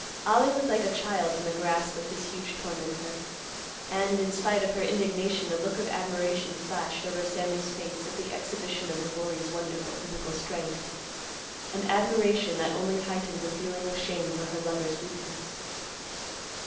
Ollie was like a child in the grasp of his huge tormentor, and, in spite of her indignation, a look of admiration flashed over Sammy's face at the exhibition of the bully's wonderful physical strength; an admiration, that only heightened the feeling of shame for her lover's weakness.